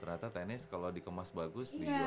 ternyata tennis kalau dikemas bagus di luar negara